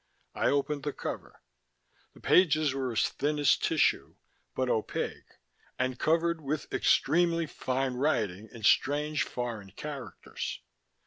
I opened the cover. The pages were as thin as tissue, but opaque, and covered with extremely fine writing in strange foreign characters.